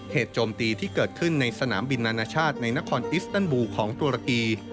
โจมตีที่เกิดขึ้นในสนามบินนานาชาติในนครอิสเติลบูของตุรกี